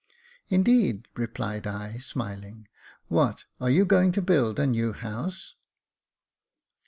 " Indeed !" replied I, smiling. " What, are you going to build a new house